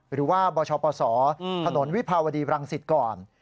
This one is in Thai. หรือว่าบชปศถนนวิภาวดีบรังสิตก่อน